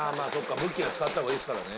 武器は使った方がいいですからね。